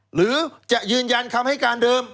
หรือจะยืนยันคำให้การเดิม